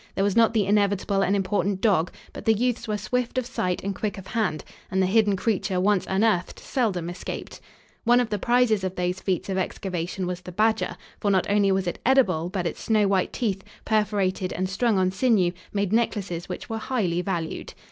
There was not the inevitable and important dog, but the youths were swift of sight and quick of hand, and the hidden creature, once unearthed, seldom escaped. One of the prizes of those feats of excavation was the badger, for not only was it edible, but its snow white teeth, perforated and strung on sinew, made necklaces which were highly valued.